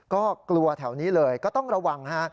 ก็กลัวแถวนี้เลยก็ต้องระวังฮะ